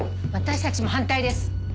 私たちも反対です